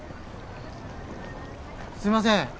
すいません